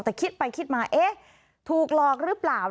แต่คิดไปคิดมาเอ๊ะถูกหลอกหรือเปล่า